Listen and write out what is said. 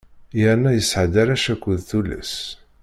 Yerna yesɛa-d arrac akked tullas.